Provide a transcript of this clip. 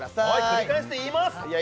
繰り返して言いますいや